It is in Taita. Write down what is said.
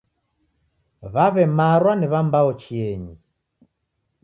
W'aw'emarwa ni w'ambao chieni.